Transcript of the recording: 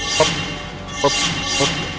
ทบทบทบ